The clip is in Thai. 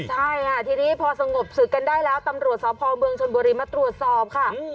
ใช่ค่ะทีนี้พอสงบศึกกันได้แล้วตำรวจสพเมืองชนบุรีมาตรวจสอบค่ะ